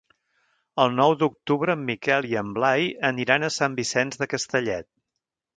El nou d'octubre en Miquel i en Blai aniran a Sant Vicenç de Castellet.